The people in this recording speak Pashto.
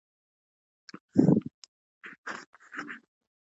موټرونه مو ودرول او دریشۍ مو نه کولې.